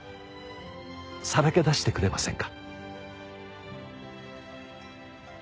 さらけ出してくれませんか？